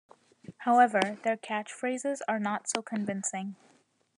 However, their catchphrases are not so convincing.